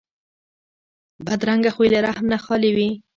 بدرنګه خوی له رحم نه خالي وي